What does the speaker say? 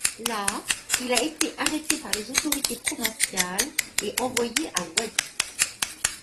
Là, il a été arrêté par les autorités provinciales et envoyé à Wasit.